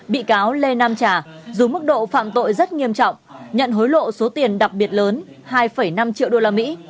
bị cáo lê nam trà dù mức độ phạm tội rất nghiêm trọng nhận hối lộ số tiền đặc biệt lớn hai năm triệu đô la mỹ